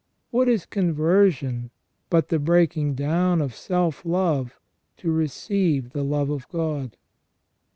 What is conversion but the breaking down of self love to receive the love of God